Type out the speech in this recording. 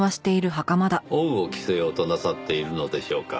恩を着せようとなさっているのでしょうか？